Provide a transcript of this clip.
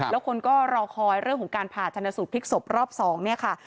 แล้วคนก็รอคอยเรื่องของการผ่าชนสูตรพลิกศพรอบ๒เนี่ยค่ะ